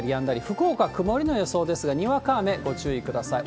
福岡、曇りの予想ですが、にわか雨にご注意ください。